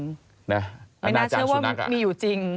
ไม่น่าเชื่อว่ามีอยู่จริง